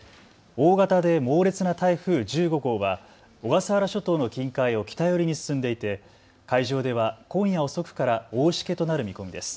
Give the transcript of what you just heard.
大型で猛烈な台風１５号は小笠原諸島の近海を北寄りに進んでいて海上では今夜遅くから大しけとなる見込みです。